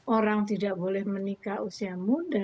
orang tidak boleh menikah usia muda